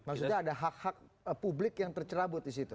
maksudnya ada hak hak publik yang tercerabut disitu